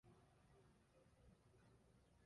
Abantu babiri bareba inzira zabo zo gukina